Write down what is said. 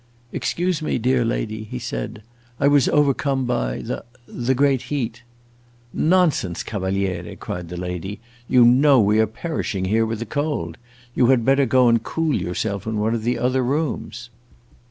"Excuse me, dear lady," he said, "I was overcome by the the great heat." "Nonsense, Cavaliere!" cried the lady, "you know we are perishing here with the cold! You had better go and cool yourself in one of the other rooms."